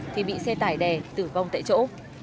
thì bị xe tải đè tử vong tại chỗ